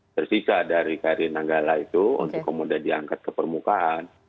tersisa dari kri nanggala itu untuk kemudian diangkat ke permukaan